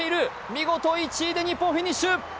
見事１位で日本フィニッシュ。